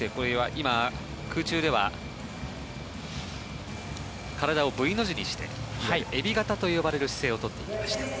今、空中では体をＶの字にしてエビ型と呼ばれる姿勢を取っていました。